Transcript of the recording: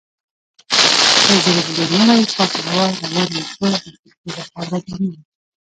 که زلزلې نه وای پاکه هوا، روانې اوبه، حاصلخیزه خاوره به نه وای.